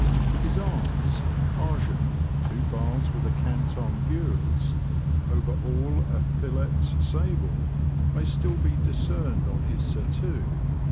His arms [argent, two bars with a canton gules \ over all a fillet sable) may still be discerned on his surtout.